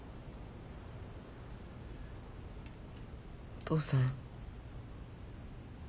・お父さん。